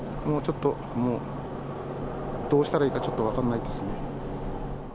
もうちょっと、もう、どうしたらいいかちょっと分からないですね。